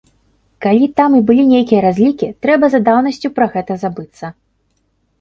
Калі там і былі нейкія разлікі, трэба за даўнасцю пра гэта забыцца.